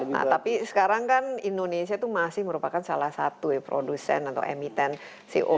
nah tapi sekarang kan indonesia itu masih merupakan salah satu ya produsen atau emiten co